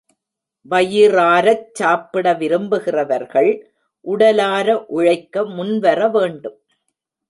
வயிறாரச் சாப்பிட விரும்புகிறவர்கள் உடலார உழைக்க முன்வரவேண்டும்.